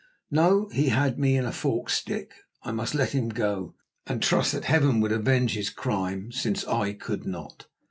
No, he had me in a forked stick. I must let him go, and trust that Heaven would avenge his crime, since I could not.